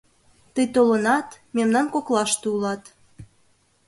Тый толынат, мемнан коклаште улат...